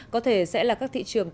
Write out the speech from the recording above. có thể sẽ là các thị trường